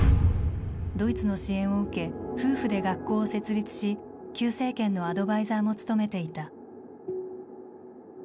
ドイツの支援を受け夫婦で学校を設立し旧政権のアドバイザーも務めていた。